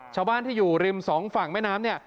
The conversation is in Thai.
ชาวบ้านที่อยู่ริมสองฝั่งแม่น้ำเนี่ย